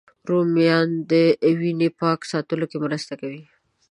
رومیان د وینې پاک ساتلو کې مرسته کوي